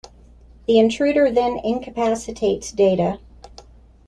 The intruder then incapacitates Data.